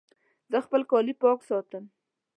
زه خپل کالي پاک ساتم.